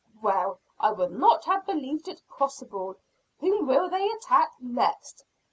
"Well, I would not have believed it possible. Whom will they attack next?"